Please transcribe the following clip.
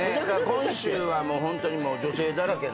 今週はホントに女性だらけの。